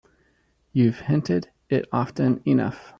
You've hinted it often enough.